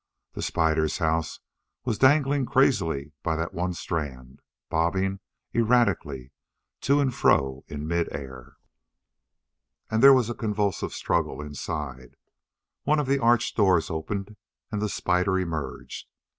The spider's house was dangling crazily by that one strand, bobbing erratically to and fro in mid air. And there was a convulsive struggle inside it. One of the arch doors opened and the spider emerged.